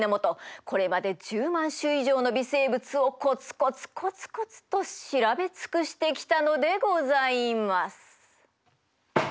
これまで１０万種以上の微生物をコツコツコツコツと調べ尽くしてきたのでございます。